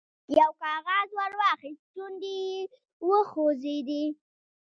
یو کاغذ ور واخیست، شونډې یې وخوځېدې.